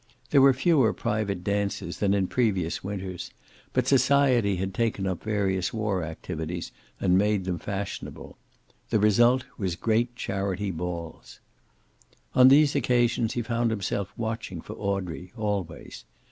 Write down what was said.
There were fewer private dances than in previous Winters, but society had taken up various war activities and made them fashionable. The result was great charity balls. On these occasions he found himself watching for Audrey, always.